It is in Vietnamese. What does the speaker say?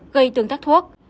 gây tương tác thuốc